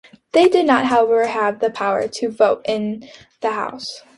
They did not, however, have the power to vote in the House.